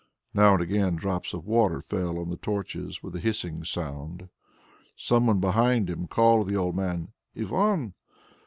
Now and again drops of water fell on the torches with a hissing sound. Some one behind him called to the old man, "Ivan!"